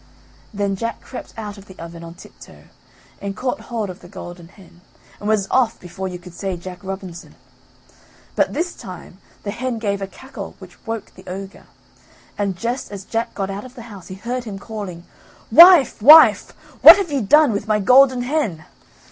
Then Jack crept out of the oven on tiptoe and caught hold of the golden hen, and was off before you could say "Jack Robinson." But this time the hen gave a cackle which woke the ogre, and just as Jack got out of the house he heard him calling: "Wife, wife, what have you done with my golden hen?"